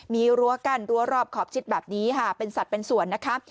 มีรั้วกั้นรั้วรอบขอบชิดแบบนี้ค่ะเป็นสัตว์เป็นส่วนนะคะ